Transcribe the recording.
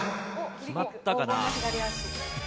決まったかな？